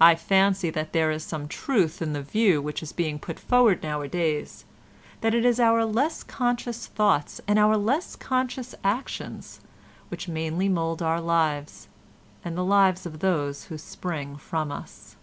I fancy that there is some truth in the view which is being put forward nowadays, that it is our less conscious thoughts and our less conscious actions which mainly mould our lives and the lives of those who spring from us.